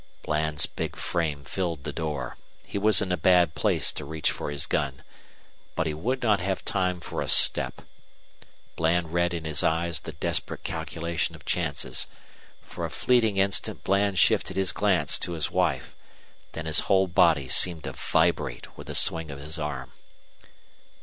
Bland's big frame filled the door. He was in a bad place to reach for his gun. But he would not have time for a step. Duane read in his eyes the desperate calculation of chances. For a fleeting instant Bland shifted his glance to his wife. Then his whole body seemed to vibrate with the swing of his arm.